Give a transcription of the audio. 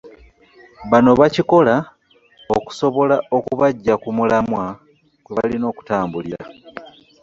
Bano Bakikola okusobola okubaggya ku mulamwa kwe balina okutambulira.